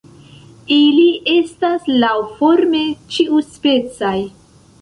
Ili estas laŭforme ĉiuspecaj.